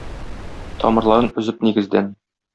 Тамырларын өзеп нигездән.